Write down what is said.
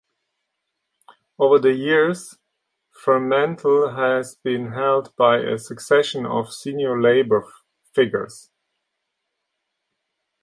Over the years, Fremantle has been held by a succession of senior Labor figures.